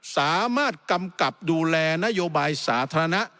สามารถกำกับดูแลนโยบายสาธารณะ